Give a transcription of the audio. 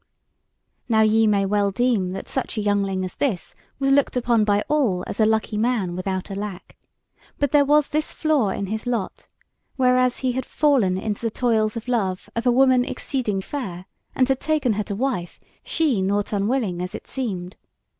Now ye may well deem that such a youngling as this was looked upon by all as a lucky man without a lack; but there was this flaw in his lot, whereas he had fallen into the toils of love of a woman exceeding fair, and had taken her to wife, she nought unwilling as it seemed.